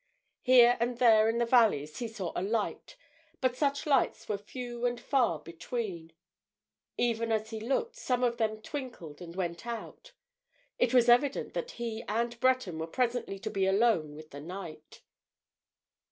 Here and there in the valleys he saw a light, but such lights were few and far between; even as he looked some of them twinkled and went out. It was evident that he and Breton were presently to be alone with the night.